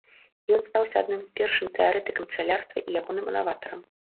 Ён стаўся адным з першых тэарэтыкаў пчалярства і ягоным наватарам.